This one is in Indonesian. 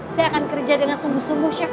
saya akan kerja dengan sungguh sungguh chef